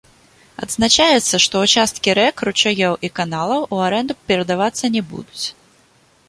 Адзначаецца, што ўчасткі рэк, ручаёў і каналаў у арэнду перадавацца не будуць.